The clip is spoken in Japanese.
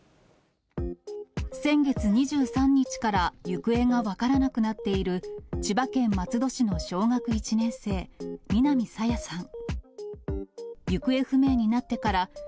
先月２３日から行方が分からなくなっている、千葉県松戸市の小学１年生、南朝芽さん。